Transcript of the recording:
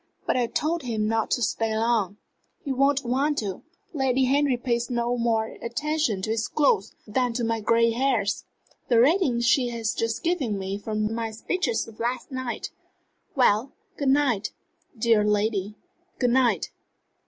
"But I told him not to stay long." "He won't want to. Lady Henry pays no more attention to his cloth than to my gray hairs. The rating she has just given me for my speech of last night! Well, good night, dear lady good night.